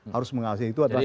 harus mengawasi itu adalah